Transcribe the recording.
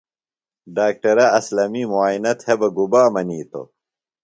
ڈاکٹرہ اسلمی مُعائنہ تھےۡ بہ گُبا منِیتوۡ؟